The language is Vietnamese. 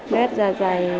bết dài dày